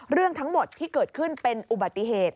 เรื่องทั้งหมดที่เกิดขึ้นเป็นอุบัติเหตุ